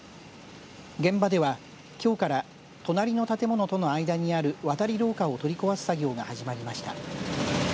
現場では、きょうから隣の建物との間にある渡り廊下を取り壊す作業が始まりました。